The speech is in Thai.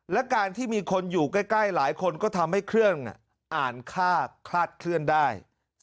และการที่มีคนอยู่ใกล้หลายคนก็ทำให้เครื่องอ่านค่าคลาดเคลื่อนได้